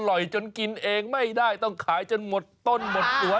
จนกินเองไม่ได้ต้องขายจนหมดต้นหมดตัว